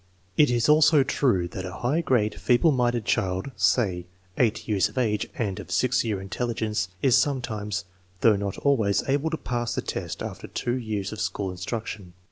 It is also true that a high grade feeble minded child, say 8 years of age and of 6 year intelligence, is some times (though not always) able to pass the test after two years of school instruction.